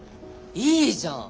いいじゃん！